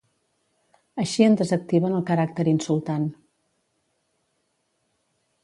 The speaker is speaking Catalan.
Així en desactiven el caràcter insultant.